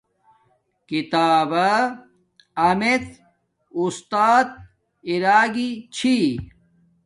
کتابا امیڎ اُستات ارا گی چھی